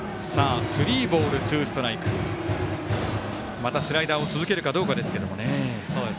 またスライダーを続けるかどうかですが。